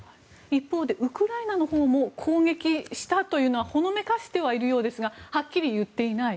一方でウクライナのほうも攻撃したというのはほのめかしているようですがはっきり言っていない。